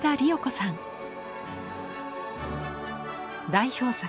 代表作